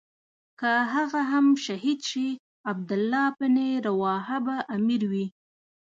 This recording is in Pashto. که هغه هم شهید شي عبدالله بن رواحه به امیر وي.